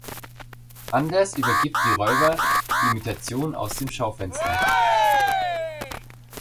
Anders übergibt die Räuber die Imitation aus dem Schaufenster.